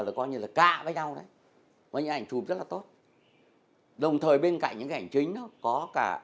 là ca với nhau đấy những hình ảnh chụp rất là tốt đồng thời bên cạnh những hình ảnh chính có cả